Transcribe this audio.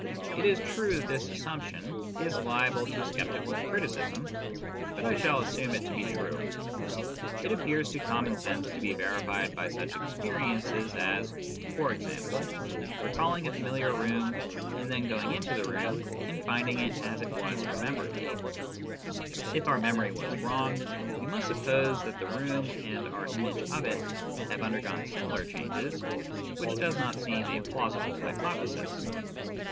It is true that this assumption is liable to sceptical criticism, but I shall assume it to be true. It appears to common sense to be verified by such experiences as, e.g., recalling a familiar room, and then going into the room and finding it as it was remem HOW PROPOSITIONS MEAN. 23 bered. If our memory was wrong, we must suppose that the room and our image of it have undergone similar changes, which does not seem a plausible hypothesis.